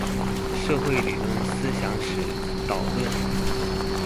社會理論思想史導論